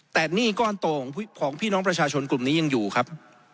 แต่หนี้ก้อนโตของพี่น้องประชาชนกลุ่มนี้ยังอยู่ครับ